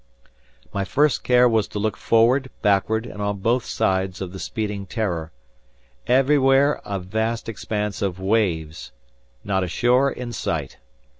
My first care was to look forward, backward, and on both sides of the speeding "Terror." Everywhere a vast expanse of waves! Not a shore in sight!